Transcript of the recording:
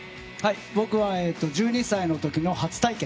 僕は１２歳の時の初体験。